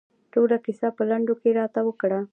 ټوله کیسه په لنډو کې راته وکړه.